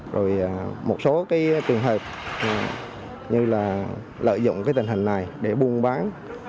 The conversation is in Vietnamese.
rồi một số trường hợp như là lợi dụng cái tình hình này để buôn bán